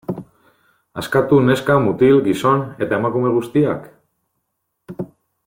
Askatu neska, mutil, gizon eta emakume guztiak?